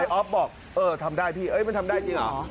ออฟบอกเออทำได้พี่มันทำได้จริงเหรอ